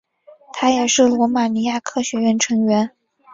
他也是罗马尼亚科学院成员。